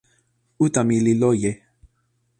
uta mi li loje.